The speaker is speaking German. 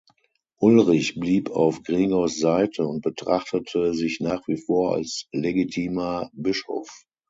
Ulrich blieb auf Gregors Seite und betrachtete sich nach wie vor als legitimer Bischof.